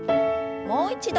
もう一度。